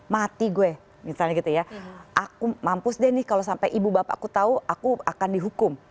mati gue misalnya gitu ya aku mampu deh nih kalau sampai ibu bapakku tahu aku akan dihukum